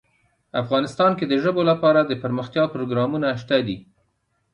افغانستان کې د ژبو لپاره دپرمختیا پروګرامونه شته دي.